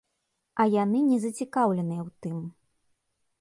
А яны не зацікаўленыя ў тым.